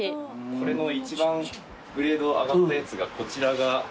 これの一番グレード上がったやつがこちらが。